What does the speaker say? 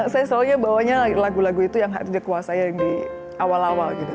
saya selalu bawa lagu lagu itu yang dikuasai di awal awal gitu